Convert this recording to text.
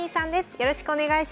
よろしくお願いします。